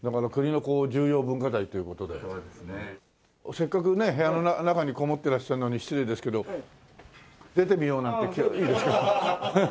せっかくね部屋の中にこもってらっしゃるのに失礼ですけど出てみようなんていいですか？